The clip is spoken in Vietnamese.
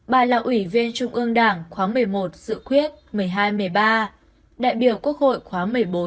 bà là ủy viên trung ương đảng khóa một mươi một giữ quyết một mươi hai một mươi ba đại biểu quốc hội khóa một mươi bốn một mươi năm